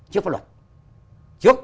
trước pháp luật trước